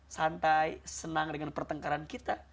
santai senang dengan pertengkaran kita